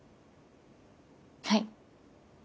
はい。